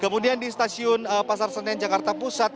kemudian di stasiun pasar senen jakarta pusat